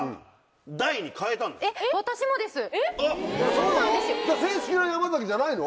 そうなの？